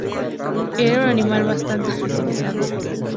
Era un animal bastante especializado.